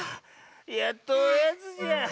やっとおやつじゃ。